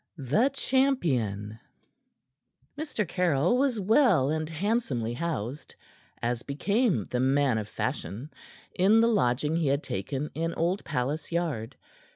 THE CHAMPION Mr. Caryll was well and handsomely housed, as became the man of fashion, in the lodging he had taken in Old Palace Yard.